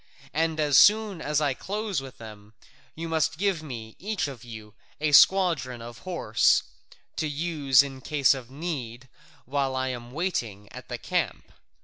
And as soon as I close with them, you must give me, each of you, a squadron of horse, to use in case of need while I am waiting at the camp.